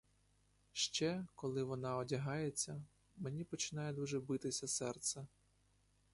Ще, коли вона одягається, мені починає дуже битися серце.